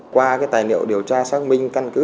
qua tài liệu điều tra xác minh căn cứ